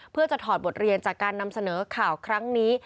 เพื่อจะถอดบทเรียนจากการนำเสนอข่าวครั้งนี้